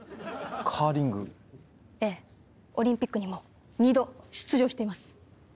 ええオリンピックにも２度出場しています。